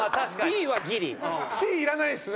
Ｃいらないっすね。